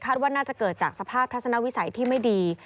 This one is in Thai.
ว่าน่าจะเกิดจากสภาพทัศนวิสัยที่ไม่ดี